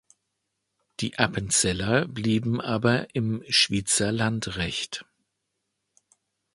Die Appenzeller blieben aber im Schwyzer Landrecht.